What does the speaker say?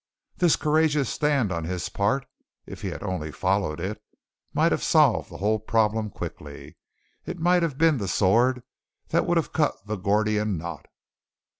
This courageous stand on his part if he had only followed it might have solved the whole problem quickly. It might have been the sword that would have cut the Gordian Knot.